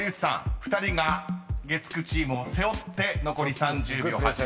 ２人が月９チームを背負って残り３０秒８０］